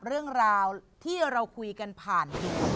เรื่องราวที่เราคุยกันผ่านอยู่